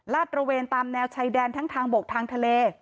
ตระเวนตามแนวชายแดนทั้งทางบกทางทะเล